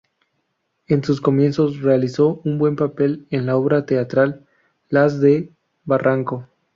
En sus comienzos realizó un buen papel en la obra teatral "Las de Barranco".